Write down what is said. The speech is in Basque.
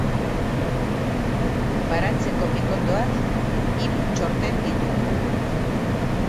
Baratzeko pikondoak hiru txorten ditu